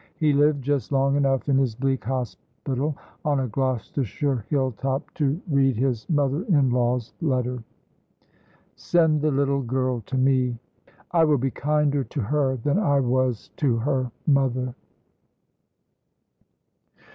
He lived just long enough in his bleak hospital on a Gloucestershire hill top to read his mother in law's letter: "Send the little girl to me. I will be kinder to her than I was to her mother."